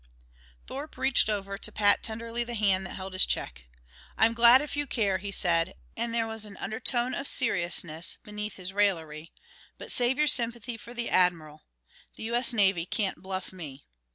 Thorpe reached over to pat tenderly the hand that held his check. "I'm glad if you care," he said, and there was an undertone of seriousness beneath his raillery, "but save your sympathy for the Admiral. The U. S. Navy can't bluff me."